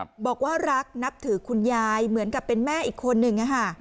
บอกว่ารักนับถือคุณยายเหมือนกับเป็นแม่อีกคนนึง